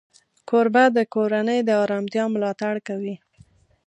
کوربه د کورنۍ د آرامتیا ملاتړ کوي.